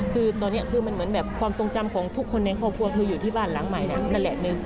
คือตอนนี้คือมันเหมือนแบบความทรงจำของทุกคนในครอบครัวคืออยู่ที่บ้านหลังใหม่นั่นแหละหนึ่ง